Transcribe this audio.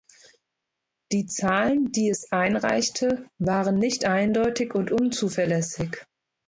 Die Zahlen, die es einreichte, waren nicht eindeutig und unzuverlässig.